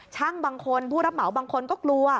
ช่างบางคนผู้รับเหมาบางคนก็กลัว